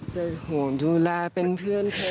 จะดูแลเป็นเพื่อนเธอ